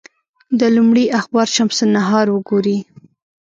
د لومړي اخبار شمس النهار وګوري.